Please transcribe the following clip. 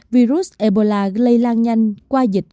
virus ebola lây lan nhanh qua dịch